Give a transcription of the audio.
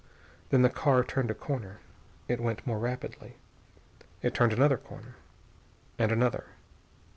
Then the car turned a corner. It went more rapidly. It turned another corner. And another....